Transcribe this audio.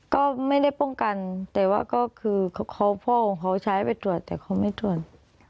ก็ไม่ได้ป้องกันแต่ว่าก็คือพ่อของเขาใช้ไปตรวจแต่เขาไม่ตรวจ